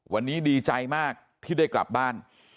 วันนี้ดีใจมากที่ได้กลับบ้าน